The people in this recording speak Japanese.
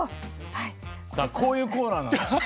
こういうコーナーなんですよ